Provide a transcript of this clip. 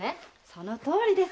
そのとおりです。